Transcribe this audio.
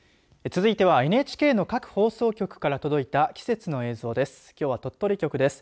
続いてはＮＨＫの各放送局から届いた季節の映像です。